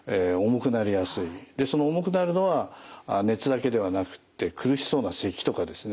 でその重くなるのは熱だけではなくって苦しそうなせきとかですね